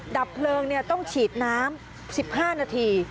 ดับเพลิงต้องฉีดน้ำ๑๕นาที